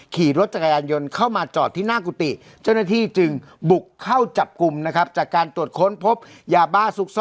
ขี่รถจักรยานยนต์เข้ามาจอดที่หน้ากุฏิเจ้าหน้าที่จึงบุกเข้าจับกลุ่มนะครับ